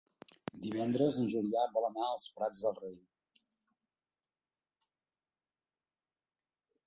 Divendres en Julià vol anar als Prats de Rei.